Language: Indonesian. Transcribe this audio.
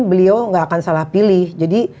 beliau nggak akan salah pilih jadi